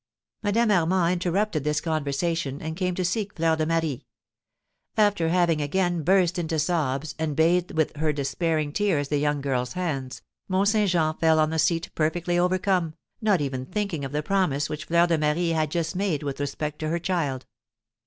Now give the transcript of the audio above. '" Madame Armand interrupted this conversation, and came to seek Fleur de Marie. After having again burst into sobs, and bathed with her despairing tears the young girl's hands, Mont Saint Jean fell on the seat perfectly overcome, not even thinking of the promise which Fleur de Marie had just made with respect to her child.